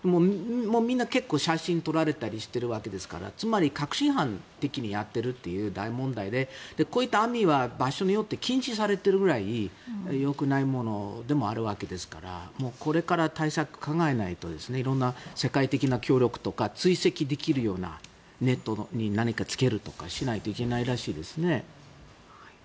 みんな結構写真を撮られたりしているわけですからつまり確信犯的にやっているという大問題でこういった網は場所によって禁止されているぐらいよくないものでもあるわけですからこれから対策を考えないと色んな世界的な協力とか追跡できるようなネットに何かつけるとかしないといけないらしいですね。